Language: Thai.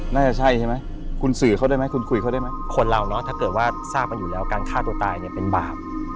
น่าจะใช่ใช่ไงคุณสือเขาได้มั้ยคุณคุยเขาได้ไหมคนเรา